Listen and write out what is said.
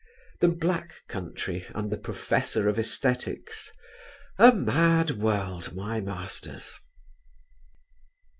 the "Black Country" and "the professor of æsthetics" a mad world, my masters!